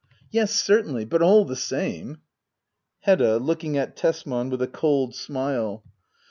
Yes, certainly. But all the same Hedda. [Looking at Tesman with a cold smile.